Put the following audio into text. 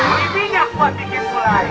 beli minyak buat bikin mulai